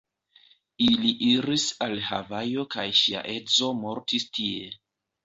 Ili iris al Havajo kaj ŝia edzo mortis tie.